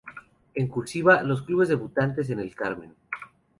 En "cursiva" los clubes debutantes en el certamen.